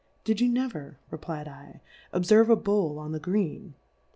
Did you never, refly'*d J, obferve a Bowl on the Green